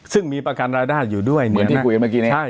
ซึ่งมีประกันรายได้อยู่ด้วยเหมือนที่คุยกันเมื่อกี้นี้